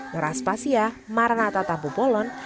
noraspasia maranata tampu polon